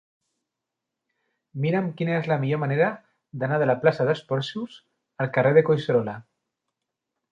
Mira'm quina és la millor manera d'anar de la plaça dels Porxos al carrer de Collserola.